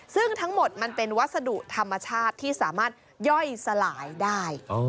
ซึ่งทั้งหมดมันเป็นวัสดุธรรมชาติที่สามารถย่อยสลายได้